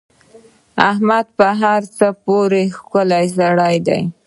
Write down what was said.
احمد په هر څه پوره او ښکلی سړی دی.